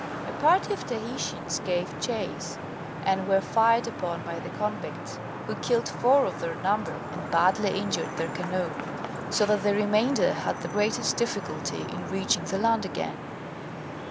A party of Tahitians gave chase, and were fired upon by the convicts, who killed four of their number and badly injured their canoe, so that the remainder had the greatest difficulty in reaching the land again.